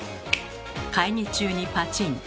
会議中にパチン。